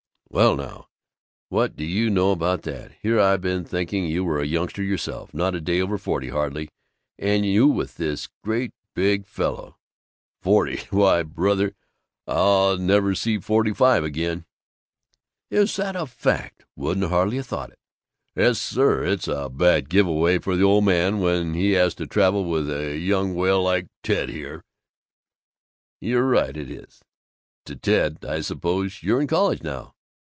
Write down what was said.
"Well now, what do you know about that! Here I been thinking you were a youngster yourself, not a day over forty, hardly, and you with this great big fellow!" "Forty? Why, brother, I'll never see forty five again!" "Is that a fact! Wouldn't hardly 'a' thought it!" "Yes, sir, it's a bad give away for the old man when he has to travel with a young whale like Ted here!" "You're right, it is." To Ted: "I suppose you're in college now."